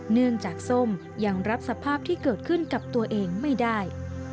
เนื่องจากส้มยังรับสภาพที่เกิดขึ้นกับตัวเองไม่ได้